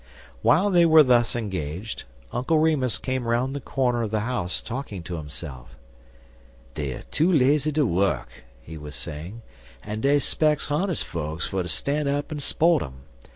While they were thus engaged, Uncle Remus came around the corner of the house, talking to himself. "Dey er too lazy ter wuk," he was saying, "en dey specks hones' fokes fer ter stan' up en s'port um.